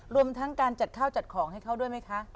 รวมทั้งการจัดข้าวจัดของให้เขาด้วยไหมคะ